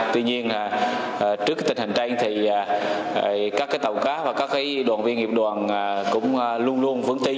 tuy nhiên trước tình hình trên thì các tàu cá và các đoàn viên nghiệp đoàn cũng luôn luôn vững tin